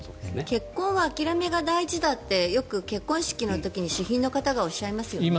結婚は諦めが大事だってよく結婚式の時に主賓の方がおっしゃいますよね。